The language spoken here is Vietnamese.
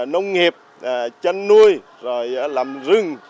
nông nghiệp chân nuôi rồi làm rừng